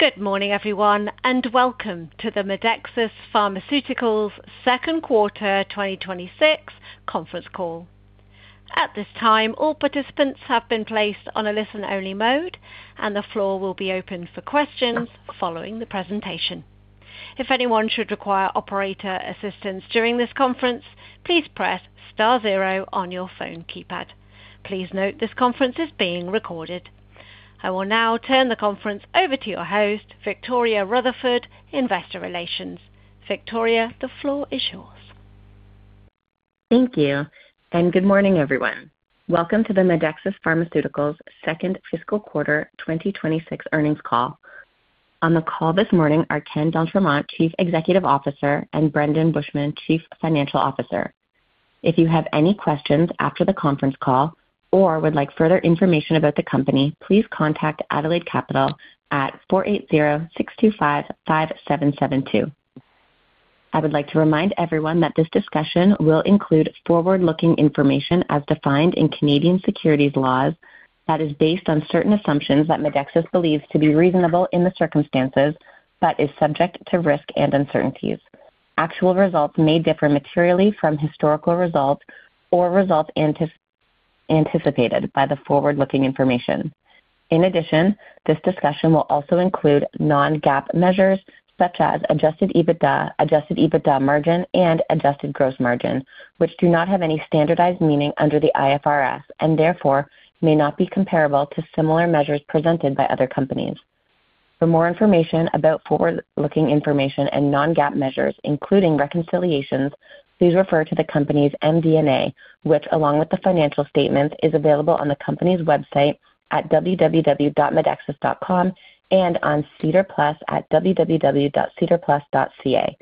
Good morning, everyone, and welcome to the Medexus Pharmaceuticals Second Quarter 2026 Conference Call. At this time, all participants have been placed on a listen-only mode, and the floor will be open for questions following the presentation. If anyone should require operator assistance during this conference, please press star zero on your phone keypad. Please note this conference is being recorded. I will now turn the conference over to your host, Victoria Rutherford, Investor Relations. Victoria, the floor is yours. Thank you, and good morning, everyone. Welcome to the Medexus Pharmaceuticals Second Fiscal Quarter 2026 Earnings Call. On the call this morning are Ken d'Entremont, Chief Executive Officer, and Brendon Bushman, Chief Financial Officer. If you have any questions after the conference call or would like further information about the company, please contact Adelaide Capital at 480-625-5772. I would like to remind everyone that this discussion will include forward-looking information as defined in Canadian securities laws that is based on certain assumptions that Medexus believes to be reasonable in the circumstances but is subject to risk and uncertainties. Actual results may differ materially from historical results or results anticipated by the forward-looking information. In addition, this discussion will also include non-GAAP measures such as adjusted EBITDA, adjusted EBITDA margin, and adjusted gross margin, which do not have any standardized meaning under the IFRS and therefore may not be comparable to similar measures presented by other companies. For more information about forward-looking information and non-GAAP measures, including reconciliations, please refer to the company's MD&A, which, along with the financial statements, is available on the company's website at www.medexus.com and on SEDAR Plus at www.sedarplus.ca.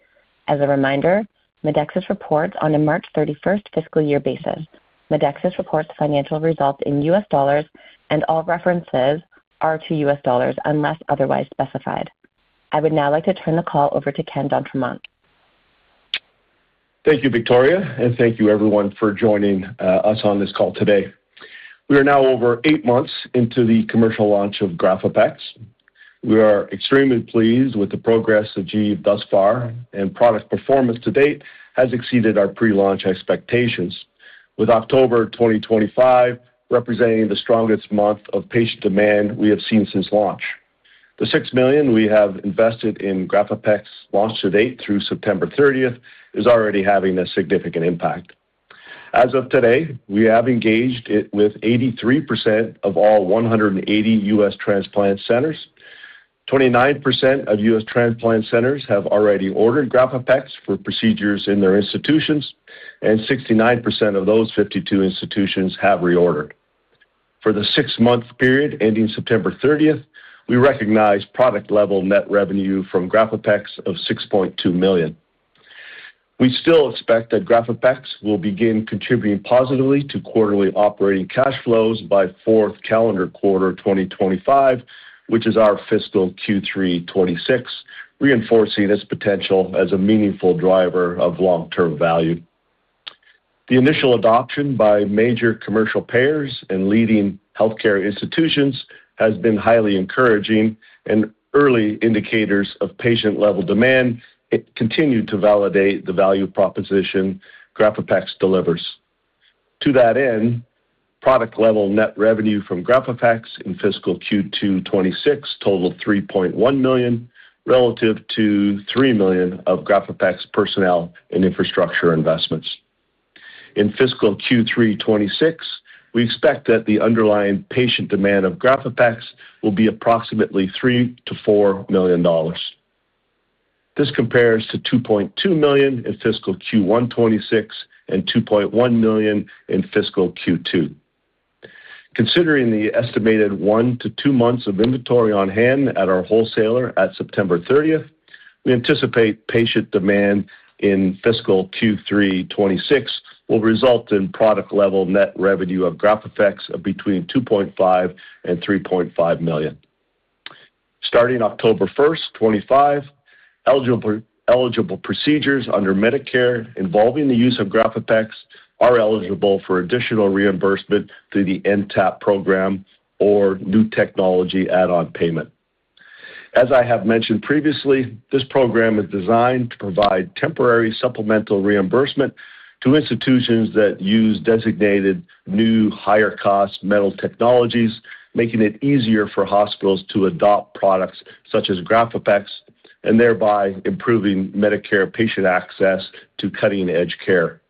As a reminder, Medexus reports on a March 31 fiscal year basis. Medexus reports financial results in U.S. dollars, and all references are to U.S. dollars unless otherwise specified. I would now like to turn the call over to Ken d'Entremont. Thank you, Victoria, and thank you, everyone, for joining us on this call today. We are now over eight months into the commercial launch of Graphopex. We are extremely pleased with the progress achieved thus far, and product performance to date has exceeded our pre-launch expectations, with October 2025 representing the strongest month of patient demand we have seen since launch. The $6 million we have invested in Graphopex launch to date through September 30 is already having a significant impact. As of today, we have engaged with 83% of all 180 U.S. transplant centers. 29% of U.S. transplant centers have already ordered Graphopex for procedures in their institutions, and 69% of those 52 institutions have reordered. For the six-month period ending September 30, we recognize product-level net revenue from Graphopex of $6.2 million. We still expect that Graphopex will begin contributing positively to quarterly operating cash flows by fourth calendar quarter 2025, which is our fiscal Q3 2026, reinforcing its potential as a meaningful driver of long-term value. The initial adoption by major commercial payers and leading healthcare institutions has been highly encouraging, and early indicators of patient-level demand continue to validate the value proposition Graphopex delivers. To that end, product-level net revenue from Graphopex in fiscal Q2 2026 totaled $3.1 million relative to $3 million of Graphopex personnel and infrastructure investments. In fiscal Q3 2026, we expect that the underlying patient demand of Graphopex will be approximately $3 million-$4 million. This compares to $2.2 million in fiscal Q1 2026 and $2.1 million in fiscal Q2. Considering the estimated one to two months of inventory on hand at our wholesaler at September 30, we anticipate patient demand in fiscal Q3 2026 will result in product-level net revenue of Graphopex of between $2.5 million and $3.5 million. Starting October 1, 2025, eligible procedures under Medicare involving the use of Graphopex are eligible for additional reimbursement through the NTAP program or new technology add-on payment. As I have mentioned previously, this program is designed to provide temporary supplemental reimbursement to institutions that use designated new higher-cost medical technologies, making it easier for hospitals to adopt products such as Graphopex and thereby improving Medicare patient access to cutting-edge care.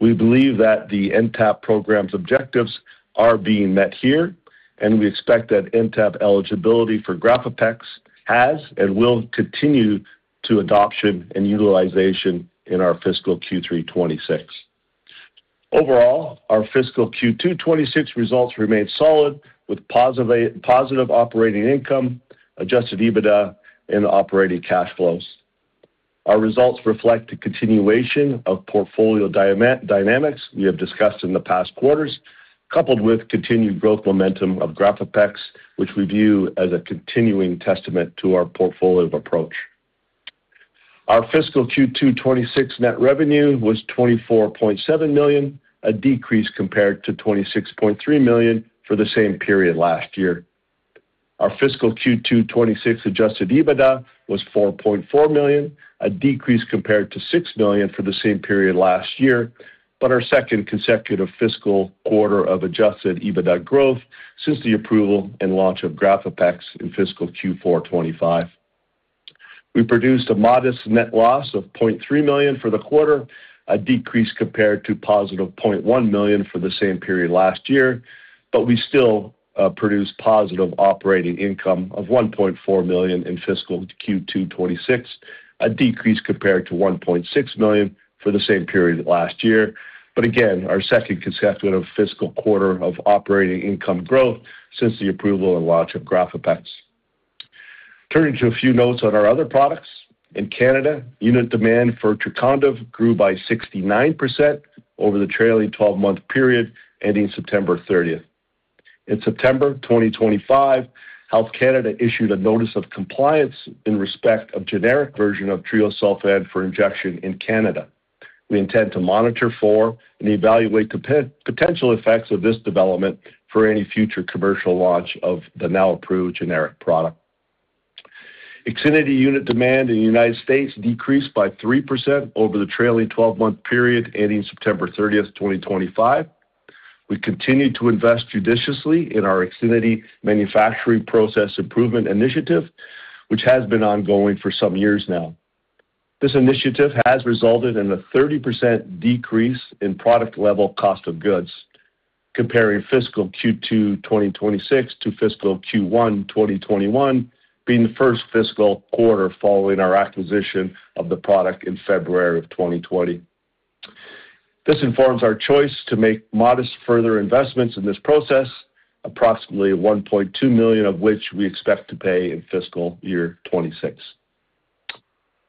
We believe that the NTAP program's objectives are being met here, and we expect that NTAP eligibility for Graphopex has and will continue to drive adoption and utilization in our fiscal Q3 2026. Overall, our fiscal Q2 2026 results remain solid, with positive operating income, adjusted EBITDA, and operating cash flows. Our results reflect a continuation of portfolio dynamics we have discussed in the past quarters, coupled with continued growth momentum of Graphopex, which we view as a continuing testament to our portfolio approach. Our fiscal Q2 2026 net revenue was $24.7 million, a decrease compared to $26.3 million for the same period last year. Our fiscal Q226 adjusted EBITDA was $4.4 million, a decrease compared to $6 million for the same period last year, but our second consecutive fiscal quarter of adjusted EBITDA growth since the approval and launch of Graphopex in fiscal Q4 2025. We produced a modest net loss of $0.3 million for the quarter, a decrease compared to +$0.1 million for the same period last year, but we still produced positive operating income of $1.4 million in fiscal Q2 2026, a decrease compared to $1.6 million for the same period last year, but again, our second consecutive fiscal quarter of operating income growth since the approval and launch of Graphopex. Turning to a few notes on our other products, in Canada, unit demand for Trecondyv grew by 69% over the trailing 12-month period ending September 30th. In September 2025, Health Canada issued a notice of compliance in respect of generic version of Treosulfan for injection in Canada. We intend to monitor for and evaluate the potential effects of this development for any future commercial launch of the now-approved generic product. Ixinity unit demand in the United States decreased by 3% over the trailing 12-month period ending September 30, 2025. We continue to invest judiciously in our Ixinity manufacturing process improvement initiative, which has been ongoing for some years now. This initiative has resulted in a 30% decrease in product-level cost of goods, comparing fiscal Q2 2026 to fiscal Q1 2021, being the first fiscal quarter following our acquisition of the product in February of 2020. This informs our choice to make modest further investments in this process, approximately $1.2 million of which we expect to pay in fiscal year 2026.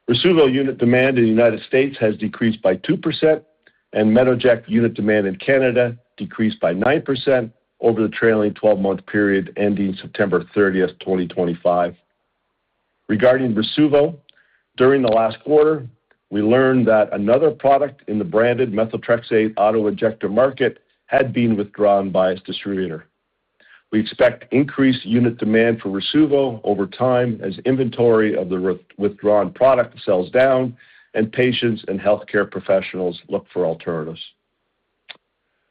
Rasuvo unit demand in the United States has decreased by 2%, and Metoject unit demand in Canada decreased by 9% over the trailing 12-month period ending September 30, 2025. Regarding Rasuvo, during the last quarter, we learned that another product in the branded methotrexate auto-injector market had been withdrawn by its distributor. We expect increased unit demand for Rasuvo over time as inventory of the withdrawn product sells down and patients and healthcare professionals look for alternatives.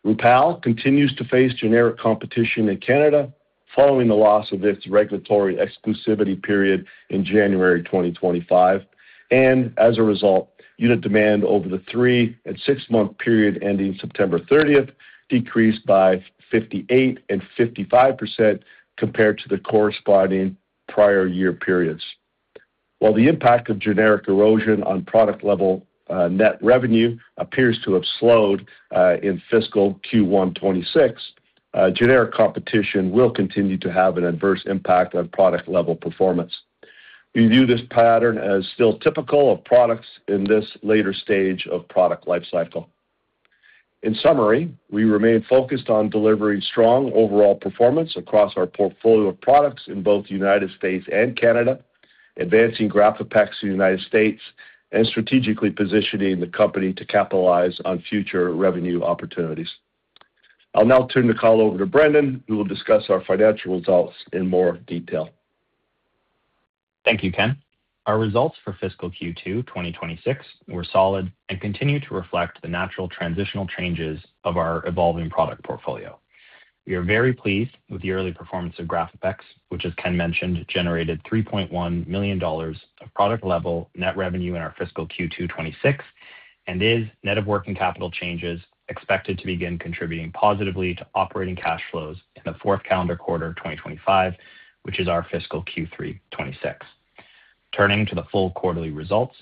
Rupall continues to face generic competition in Canada following the loss of its regulatory exclusivity period in January 2025, and as a result, unit demand over the three- and six-month period ending September 30th decreased by 58% and 55% compared to the corresponding prior year periods. While the impact of generic erosion on product-level net revenue appears to have slowed in fiscal Q1 2026, generic competition will continue to have an adverse impact on product-level performance. We view this pattern as still typical of products in this later stage of product lifecycle. In summary, we remain focused on delivering strong overall performance across our portfolio of products in both the U.S. and Canada, advancing Graphopex in the U.S., and strategically positioning the company to capitalize on future revenue opportunities. I'll now turn the call over to Brendon, who will discuss our financial results in more detail. Thank you, Ken. Our results for fiscal Q226 were solid and continue to reflect the natural transitional changes of our evolving product portfolio. We are very pleased with the early performance of Graphopex, which, as Ken mentioned, generated $3.1 million of product-level net revenue in our fiscal Q2 2026, and is, net of working capital changes, expected to begin contributing positively to operating cash flows in the fourth calendar quarter of 2025, which is our fiscal Q3 2026. Turning to the full quarterly results,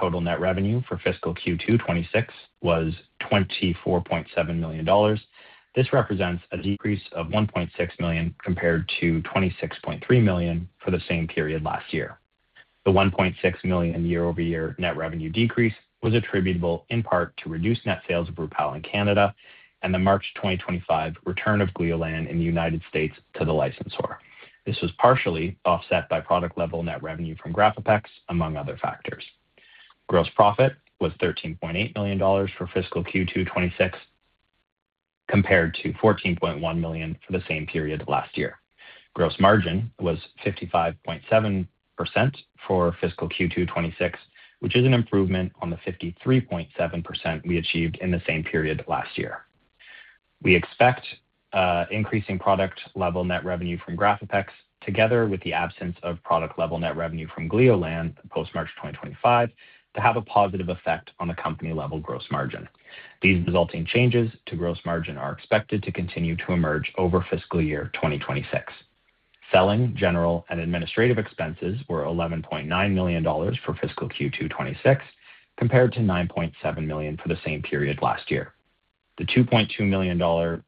total net revenue for fiscal Q2 2026 was $24.7 million. This represents a decrease of $1.6 million compared to $26.3 million for the same period last year. The $1.6 million year-over-year net revenue decrease was attributable in part to reduced net sales of Rupall in Canada and the March 2025 return of Gleolan in the United States to the licensor. This was partially offset by product-level net revenue from Graphopex, among other factors. Gross profit was $13.8 million for fiscal Q2 2026 compared to $14.1 million for the same period last year. Gross margin was 55.7% for fiscal Q2 2026, which is an improvement on the 53.7% we achieved in the same period last year. We expect increasing product-level net revenue from Graphopex, together with the absence of product-level net revenue from Gleolan post-March 2025, to have a positive effect on the company-level gross margin. These resulting changes to gross margin are expected to continue to emerge over fiscal year 2026. Selling general and administrative expenses were $11.9 million for fiscal Q2 2026 compared to $9.7 million for the same period last year. The $2.2 million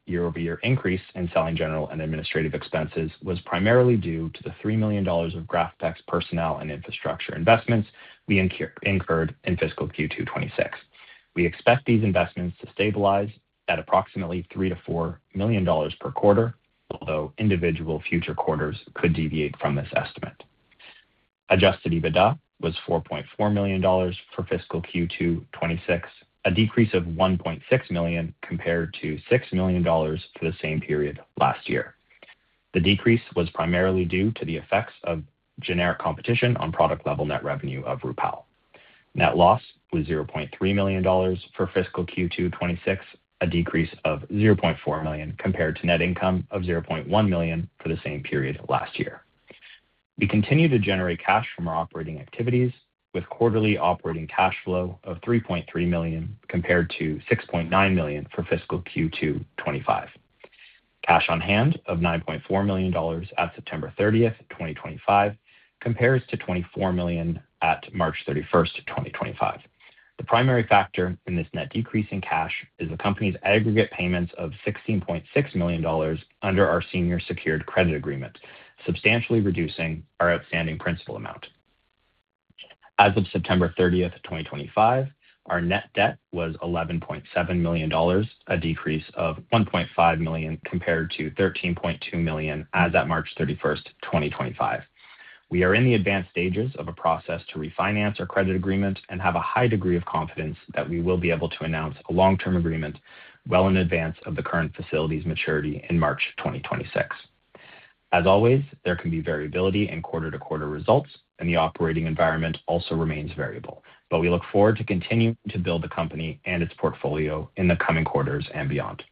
year-over-year increase in selling general and administrative expenses was primarily due to the $3 million of Graphopex personnel and infrastructure investments we incurred in fiscal Q2 2026. We expect these investments to stabilize at approximately $3 million-$4 million per quarter, although individual future quarters could deviate from this estimate. Adjusted EBITDA was $4.4 million for fiscal Q2 2026, a decrease of $1.6 million compared to $6 million for the same period last year. The decrease was primarily due to the effects of generic competition on product-level net revenue of Rupall. Net loss was $0.3 million for fiscal Q2 2026, a decrease of $0.4 million compared to net income of $0.1 million for the same period last year. We continue to generate cash from our operating activities, with quarterly operating cash flow of $3.3 million compared to $6.9 million for fiscal Q2 2025. Cash on hand of $9.4 million at September 30, 2025, compares to $24 million at March 31, 2025. The primary factor in this net decrease in cash is the company's aggregate payments of $16.6 million under our senior secured credit agreement, substantially reducing our outstanding principal amount. As of September 30, 2025, our net debt was $11.7 million, a decrease of $1.5 million compared to $13.2 million as of March 31, 2025. We are in the advanced stages of a process to refinance our credit agreement and have a high degree of confidence that we will be able to announce a long-term agreement well in advance of the current facility's maturity in March 2026. As always, there can be variability in quarter-to-quarter results, and the operating environment also remains variable, but we look forward to continuing to build the company and its portfolio in the coming quarters and beyond.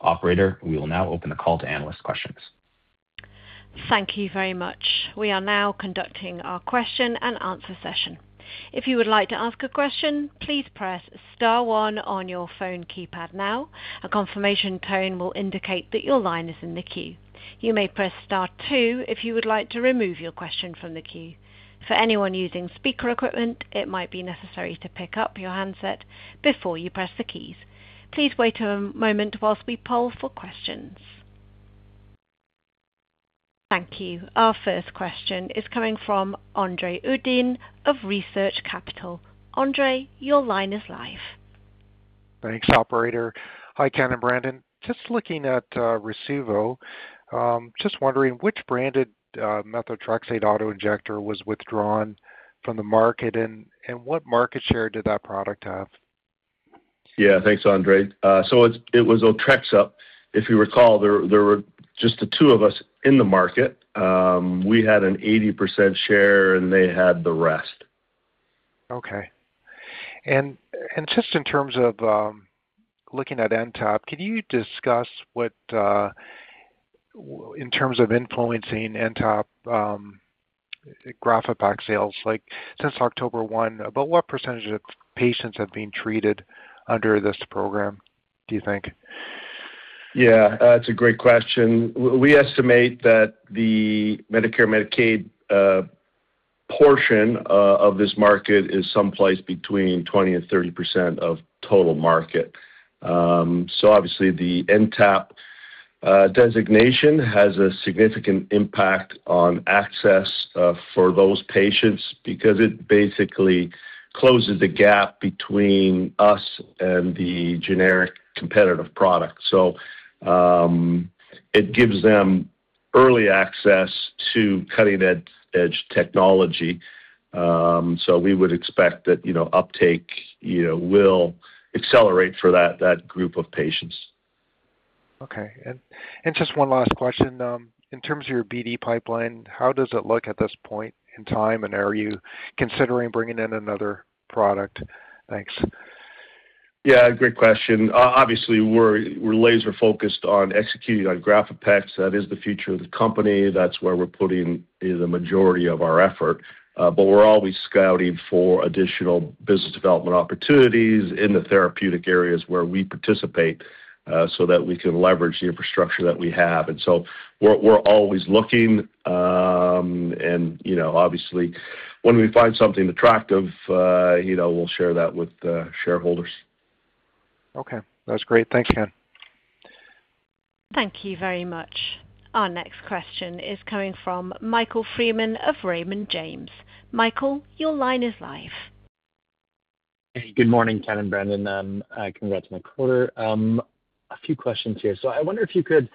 Operator, we will now open the call to analyst questions. Thank you very much. We are now conducting our question and answer session. If you would like to ask a question, please press star one on your phone keypad now. A confirmation tone will indicate that your line is in the queue. You may press star two if you would like to remove your question from the queue. For anyone using speaker equipment, it might be necessary to pick up your handset before you press the keys. Please wait a moment whilst we poll for questions. Thank you. Our first question is coming from Andre Uddin of Research Capital. Andre, your line is live. Thanks, Operator. Hi, Ken and Brendon. Just looking at Rasuvo. Just wondering which branded methotrexate auto injector was withdrawn from the market and what market share did that product have? Yeah, thanks, Andre. So it was Otrexup. If you recall, there were just the two of us in the market. We had an 80% share and they had the rest. Okay. In terms of looking at NTAP, can you discuss what, in terms of influencing NTAP Graphopex sales, like since October 1, about what percentage of patients have been treated under this program, do you think? Yeah, that's a great question. We estimate that the Medicare/Medicaid portion of this market is someplace between 20% and 30% of total market. Obviously, the NTAP designation has a significant impact on access for those patients because it basically closes the gap between us and the generic competitive product. It gives them early access to cutting-edge technology. We would expect that uptake will accelerate for that group of patients. Okay. Just one last question. In terms of your BD pipeline, how does it look at this point in time, and are you considering bringing in another product? Thanks. Yeah, great question. Obviously, we're laser-focused on executing on Graphopex. That is the future of the company. That's where we're putting the majority of our effort. We're always scouting for additional business development opportunities in the therapeutic areas where we participate so that we can leverage the infrastructure that we have. We're always looking. Obviously, when we find something attractive, we'll share that with shareholders. Okay. That's great. Thanks, Ken. Thank you very much. Our next question is coming from Michael Freeman of Raymond James. Michael, your line is live. Hey, good morning, Ken and Brendon. Congrats on the quarter. A few questions here. I wonder if you could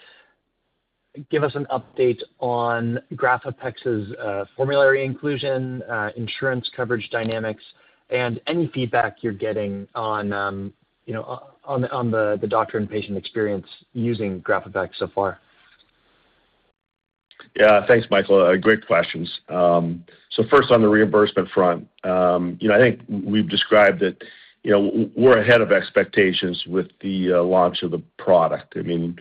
give us an update on Graphopex's formulary inclusion, insurance coverage dynamics, and any feedback you're getting on the doctor and patient experience using Graphopex so far. Yeah, thanks, Michael. Great questions. First, on the reimbursement front, I think we've described that we're ahead of expectations with the launch of the product. I mean,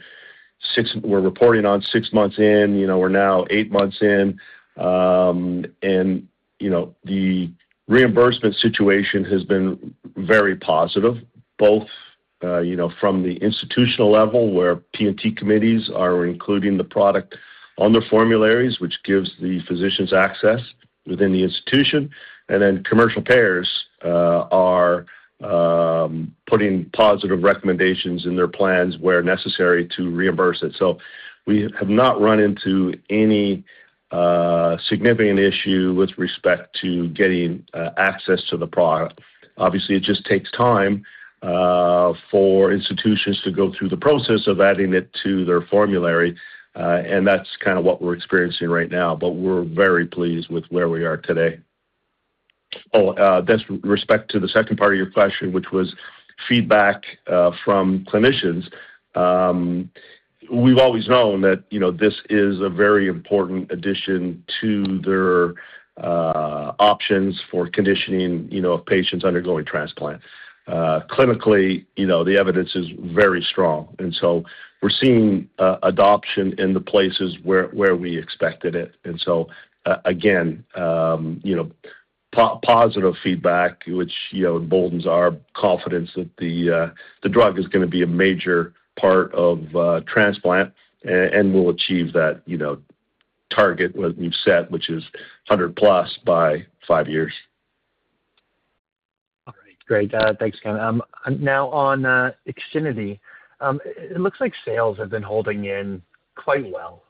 we're reporting on six months in. We're now eight months in. The reimbursement situation has been very positive, both from the institutional level where P&T committees are including the product on their formularies, which gives the physicians access within the institution, and then commercial payers are putting positive recommendations in their plans where necessary to reimburse it. We have not run into any significant issue with respect to getting access to the product. Obviously, it just takes time for institutions to go through the process of adding it to their formulary. That's kind of what we're experiencing right now. We're very pleased with where we are today. Oh, that's with respect to the second part of your question, which was feedback from clinicians. We've always known that this is a very important addition to their options for conditioning of patients undergoing transplant. Clinically, the evidence is very strong. We are seeing adoption in the places where we expected it. Again, positive feedback, which emboldens our confidence that the drug is going to be a major part of transplant and will achieve that target we've set, which is 100+ by five years. All right. Great. Thanks, Ken. Now, on IXINITY, it looks like sales have been holding in quite well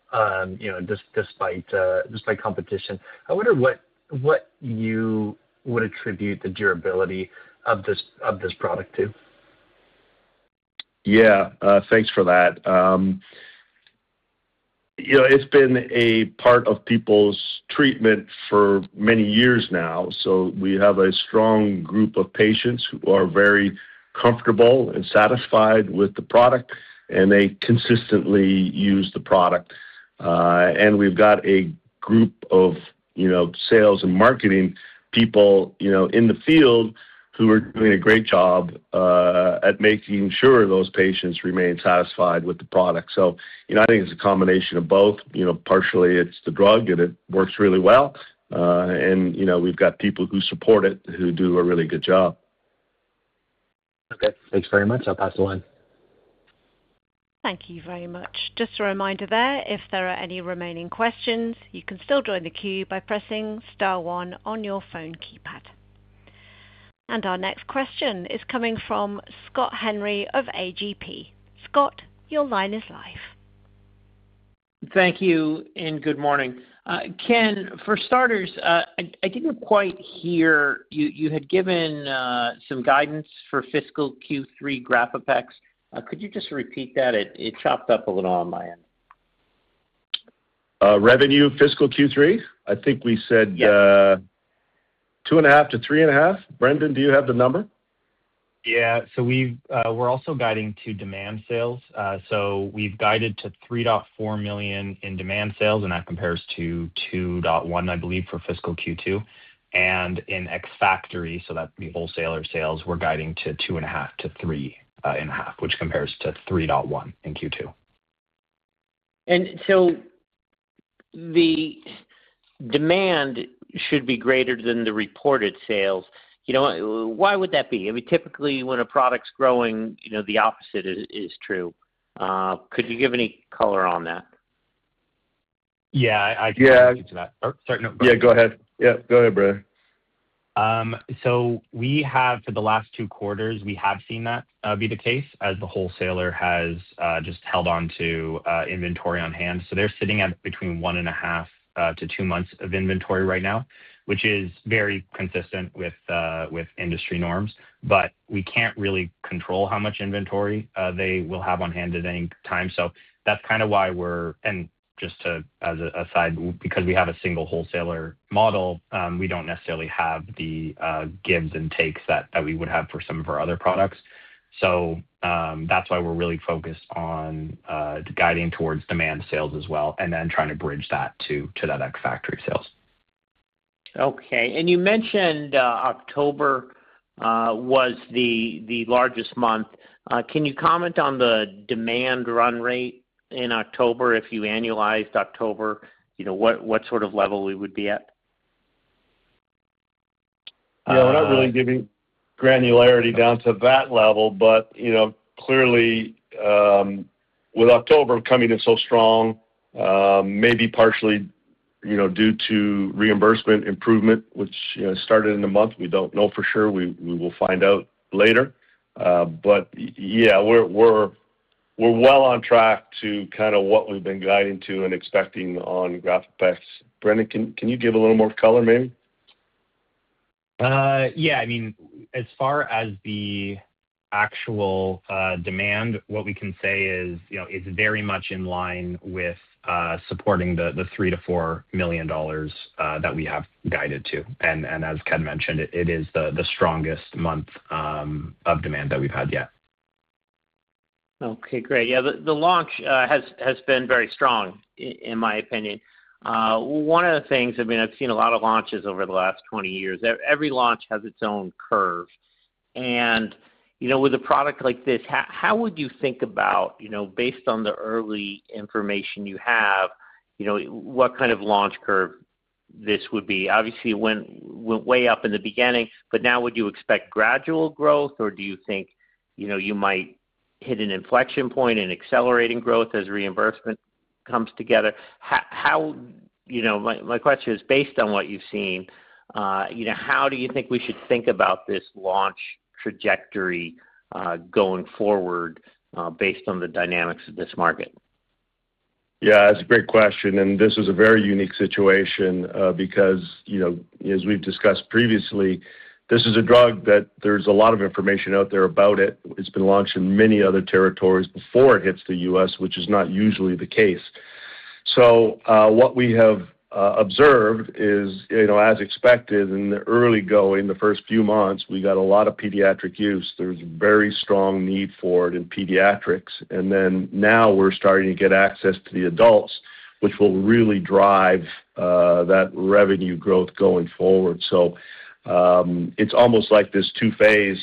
despite competition. I wonder what you would attribute the durability of this product to. Yeah, thanks for that. It's been a part of people's treatment for many years now. We have a strong group of patients who are very comfortable and satisfied with the product, and they consistently use the product. We have a group of sales and marketing people in the field who are doing a great job at making sure those patients remain satisfied with the product. I think it's a combination of both. Partially, it's the drug, and it works really well. We have people who support it who do a really good job. Okay. Thanks very much. I'll pass the line. Thank you very much. Just a reminder there, if there are any remaining questions, you can still join the queue by pressing star one on your phone keypad. Our next question is coming from Scott Henry of A.G.P. Scott, your line is live. Thank you and good morning. Ken, for starters, I didn't quite hear, you had given some guidance for fiscal Q3 Graphopex. Could you just repeat that? It chopped up a little on my end. Revenue fiscal Q3? I think we said $2.5 million-$3.5 million. Brendon, do you have the number? Yeah. So we're also guiding to demand sales. So we've guided to $3.4 million in demand sales, and that compares to $2.1 million, I believe, for fiscal Q2. And in X Factory, so that'd be wholesaler sales, we're guiding to $2.5 million-$3.5 million, which compares to $3.1 million in Q2. The demand should be greater than the reported sales. Why would that be? I mean, typically, when a product's growing, the opposite is true. Could you give any color on that? Yeah. I can speak to that. Sorry, no. Go ahead. Yeah, go ahead, Brendon. For the last two quarters, we have seen that be the case as the wholesaler has just held on to inventory on hand. They are sitting at between one and a half to two months of inventory right now, which is very consistent with industry norms. We cannot really control how much inventory they will have on hand at any time. That is kind of why we are—and just as a side—because we have a single wholesaler model, we do not necessarily have the gives and takes that we would have for some of our other products. That is why we are really focused on guiding towards demand sales as well and then trying to bridge that to that X Factory sales. Okay. You mentioned October was the largest month. Can you comment on the demand run rate in October? If you annualized October, what sort of level we would be at? Yeah, we're not really giving granularity down to that level. Clearly, with October coming in so strong, maybe partially due to reimbursement improvement, which started in the month, we don't know for sure. We will find out later. Yeah, we're well on track to kind of what we've been guiding to and expecting on Graphopex. Brendon, can you give a little more color, maybe? Yeah. I mean, as far as the actual demand, what we can say is it's very much in line with supporting the $3 million-$4 million that we have guided to. As Ken mentioned, it is the strongest month of demand that we've had yet. Okay. Great. Yeah, the launch has been very strong, in my opinion. One of the things—I mean, I've seen a lot of launches over the last 20 years. Every launch has its own curve. With a product like this, how would you think about, based on the early information you have, what kind of launch curve this would be? Obviously, it went way up in the beginning, but now would you expect gradual growth, or do you think you might hit an inflection point and accelerating growth as reimbursement comes together? My question is, based on what you've seen, how do you think we should think about this launch trajectory going forward based on the dynamics of this market? Yeah, that's a great question. This is a very unique situation because, as we've discussed previously, this is a drug that there's a lot of information out there about it. It's been launched in many other territories before it hits the U.S., which is not usually the case. What we have observed is, as expected, in the early going, the first few months, we got a lot of pediatric use. There's a very strong need for it in pediatrics. Now we're starting to get access to the adults, which will really drive that revenue growth going forward. It's almost like this two-phase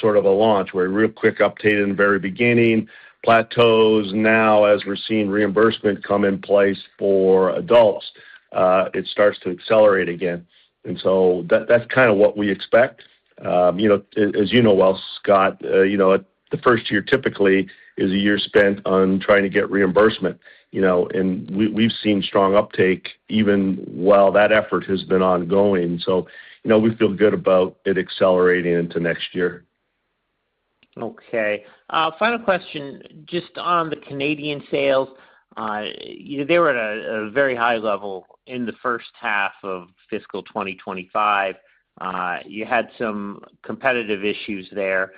sort of a launch where real quick uptake in the very beginning plateaus. Now, as we're seeing reimbursement come in place for adults, it starts to accelerate again. That's kind of what we expect. As you know well, Scott, the first year typically is a year spent on trying to get reimbursement. We have seen strong uptake even while that effort has been ongoing. We feel good about it accelerating into next year. Okay. Final question. Just on the Canadian sales, they were at a very high level in the first half of fiscal 2025. You had some competitive issues there,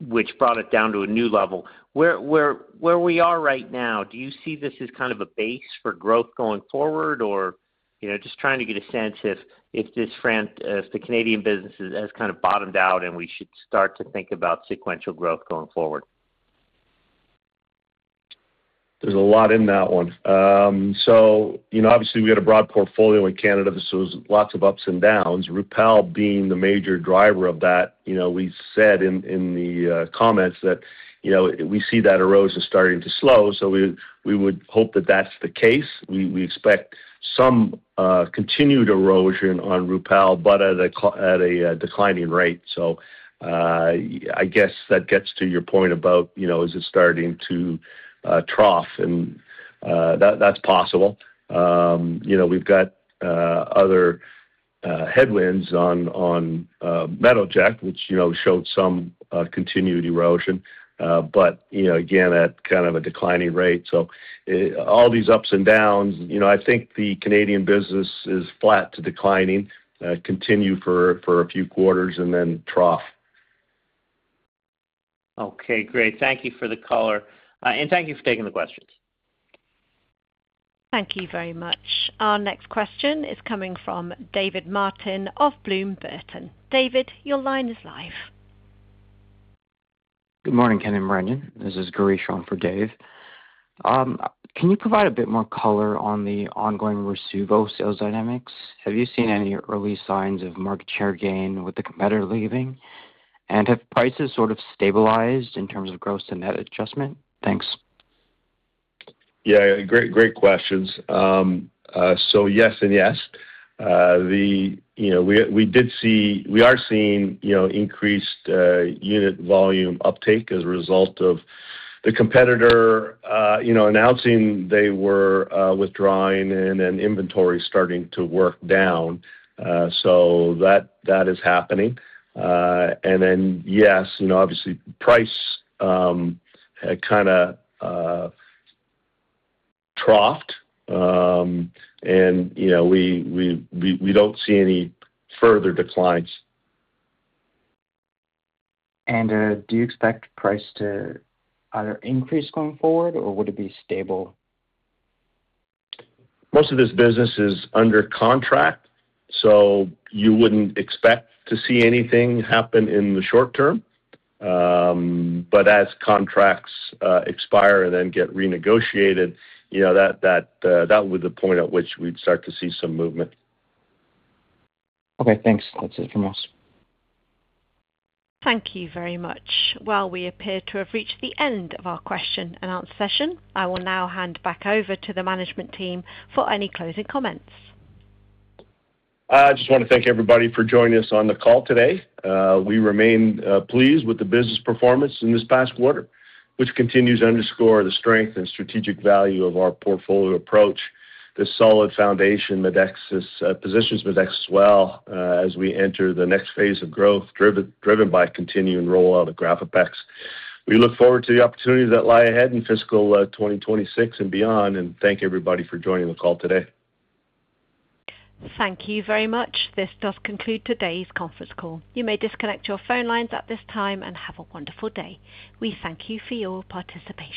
which brought it down to a new level. Where we are right now, do you see this as kind of a base for growth going forward, or just trying to get a sense if the Canadian business has kind of bottomed out and we should start to think about sequential growth going forward? There's a lot in that one. Obviously, we had a broad portfolio in Canada. This was lots of ups and downs. Rupall being the major driver of that, we said in the comments that we see that erosion starting to slow. We would hope that that's the case. We expect some continued erosion on Rupall, but at a declining rate. I guess that gets to your point about is it starting to trough. That's possible. We've got other headwinds on Metoject, which showed some continued erosion, but again, at kind of a declining rate. All these ups and downs, I think the Canadian business is flat to declining, continue for a few quarters, and then trough. Okay. Great. Thank you for the color. Thank you for taking the questions. Thank you very much. Our next question is coming from [Gary] of Bloom Burton & Co. David, your line is live. Good morning, Ken and Brendon. This is [Gary Shaunford], for Dave. Can you provide a bit more color on the ongoing Rasuvo sales dynamics? Have you seen any early signs of market share gain with the competitor leaving? Have prices sort of stabilized in terms of gross and net adjustment? Thanks. Yeah, great questions. Yes and yes. We did see—we are seeing increased unit volume uptake as a result of the competitor announcing they were withdrawing and inventory starting to work down. That is happening. Yes, obviously, price had kind of troughed. We do not see any further declines. Do you expect price to either increase going forward, or would it be stable? Most of this business is under contract. You wouldn't expect to see anything happen in the short term. As contracts expire and then get renegotiated, that would be the point at which we'd start to see some movement. Okay. Thanks. That's it from us. Thank you very much. We appear to have reached the end of our question and answer session. I will now hand back over to the management team for any closing comments. I just want to thank everybody for joining us on the call today. We remain pleased with the business performance in this past quarter, which continues to underscore the strength and strategic value of our portfolio approach. This solid foundation positions Medexus well as we enter the next phase of growth driven by continuing rollout of Graphopex. We look forward to the opportunities that lie ahead in fiscal 2026 and beyond. Thank everybody for joining the call today. Thank you very much. This does conclude today's conference call. You may disconnect your phone lines at this time and have a wonderful day. We thank you for your participation.